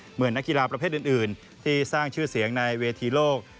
เหมือนนักกีฬาประเภทอื่นที่สร้างชื่อเสียงในเวทีโลก